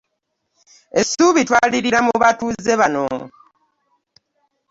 Essuubi twalirina mu batuuze bano.